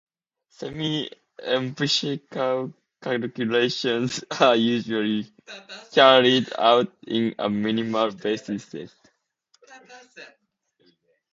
Semiempirical calculations are usually carried out in a minimal basis set.